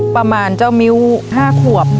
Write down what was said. ประมาณเจ้ามิ้ว๕ควบ